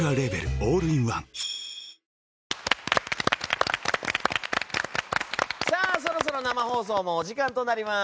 オールインワンそろそろ生放送もお時間となります。